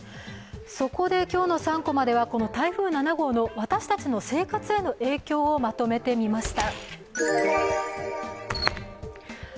そこで今日の３コマでは台風７号の私たちの生活への影響をまとめてみました。